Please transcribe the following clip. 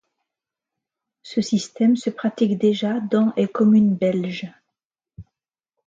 Ce système se pratique déjà dans et communes belges.